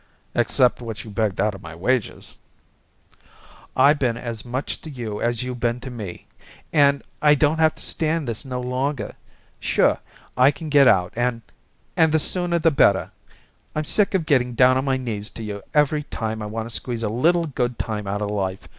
"Except what you begged out of my wages." "I been as much to you as you been to me and and I don't have to stand this no longer. Sure I can get out and and the sooner the better. I'm sick of getting down on my knees to you every time I wanna squeeze a little good time out of life.